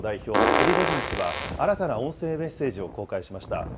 プリゴジン氏は、新たな音声メッセージを公開しました。